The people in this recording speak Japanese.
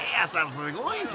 すごいね］